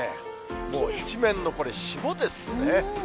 もう一面のこれ、霜ですね。